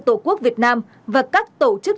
tổ quốc việt nam và các tổ chức